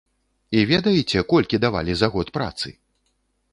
І ведаеце, колькі давалі за год працы?